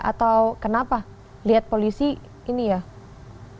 atau kenapa lihat polisi ini ya ganteng hehehe hehehe hehehe eh najib katanya